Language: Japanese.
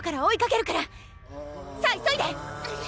さあ急いで！